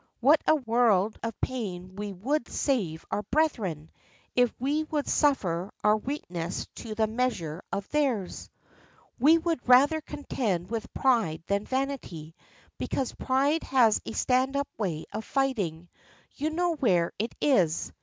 what a world of pain we would save our brethren, if we would suffer our weakness to be the measure of theirs! We would rather contend with pride than vanity, because pride has a stand up way of fighting. You know where it is.